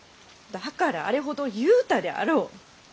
だからあれほど言うたであろう。